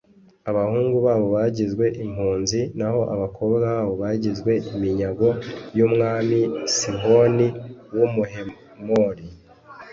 abahungu babo bagizwe impunzi, naho abakobwa babo bagizwe iminyago y’umwami sihoni w’umuhemori!